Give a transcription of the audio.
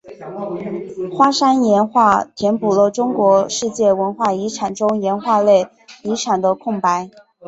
花山岩画填补了中国世界文化遗产中岩画类遗产的空白。